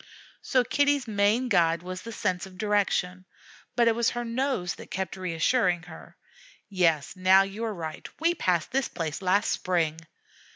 So Kitty's main guide was the sense of direction, but it was her nose that kept reassuring her, "Yes, now you are right we passed this place last spring."